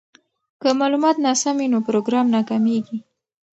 که معلومات ناسم وي نو پروګرام ناکامیږي.